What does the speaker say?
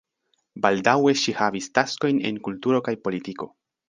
Baldaŭe ŝi havis taskojn en kulturo kaj politiko.